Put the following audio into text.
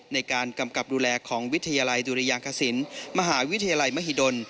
ในการกำกับดูแลของวิทยาลัยดุริยางกสินมหาวิทยาลัยมหิดล